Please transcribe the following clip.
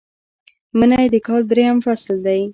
منی د کال دریم فصل دی